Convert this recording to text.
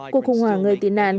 cuộc khủng hoảng người tị nạn